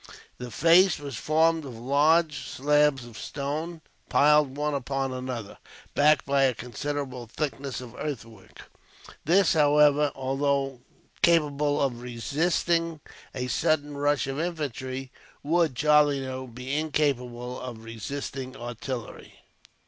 The face was formed of large slabs of stone, piled one upon another, backed by a considerable thickness of earthwork. This, however, although capable of resisting a sudden rush of infantry, would, Charlie knew, be incapable of resisting artillery.